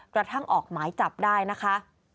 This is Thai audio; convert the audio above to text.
กระทั่งออกหมายจับได้นะคะ